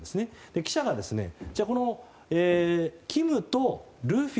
記者がじゃあ、キムとルフィ